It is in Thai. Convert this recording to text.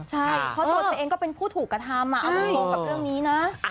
ใช่เพราะตัวเธอเองก็เป็นผู้ถูกกระทำเอาตรงกับเรื่องนี้นะ